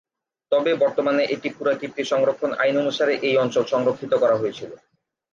তবে বর্তমানে এটি পুরাকীর্তি সংরক্ষণ আইন অনুসারে এই অঞ্চল সংরক্ষিত করা হয়েছে।